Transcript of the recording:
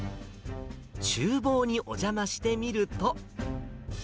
ちゅう房にお邪魔してみると。